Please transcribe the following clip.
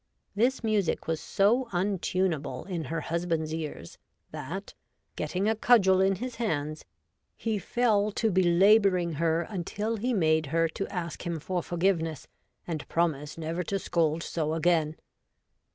This music was so untunable in her Husband's Ears, that, getting a cudgel in his hands, he fell to belabouring her until he made her to ask him for forgiveness, and promise never to scold so again.